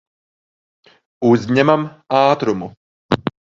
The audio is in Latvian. Uzņemam ātrumu.